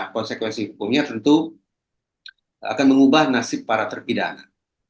konsekuensi hukumnya tentu akan mengubah nasib para terpidana